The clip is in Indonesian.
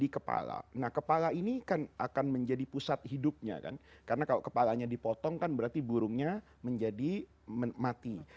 karena kalau kepalanya dipotong kan berarti burungnya menjadi mati